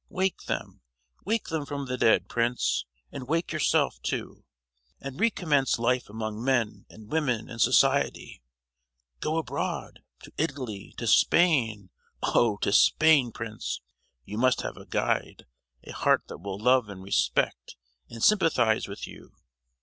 Wake them, wake them from the dead, Prince! and wake yourself, too; and recommence life among men and women and society! Go abroad—to Italy, to Spain, oh, to Spain, Prince! You must have a guide, a heart that will love and respect, and sympathize with you!